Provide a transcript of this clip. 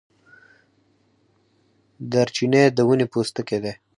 دارچینی د ونې پوستکی دی